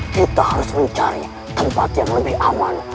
kita harus mencari tempat yang lebih aman